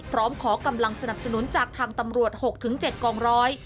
ขอกำลังสนับสนุนจากทางตำรวจ๖๗กองร้อย